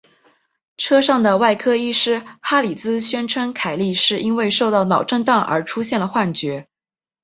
车上的外科医师哈里兹宣称凯莉是因为受到脑震荡而出现了幻觉。